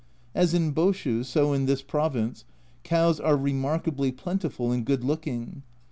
As in Boshu, so in this province, cows are remarkably plentiful and good looking.